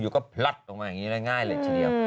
อยู่ก็พลัดลงมาง่ายเลยเฉย